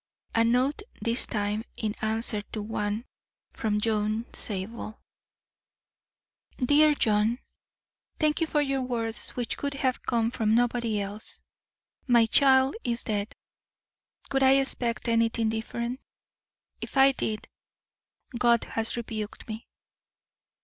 A note this time in answer to one from John Zabel: DEAR JOHN: Thank you for words which could have come from nobody else. My child is dead. Could I expect anything different? If I did, God has rebuked me.